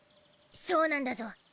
そうなんだゾ！